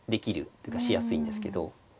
というかしやすいんですけど。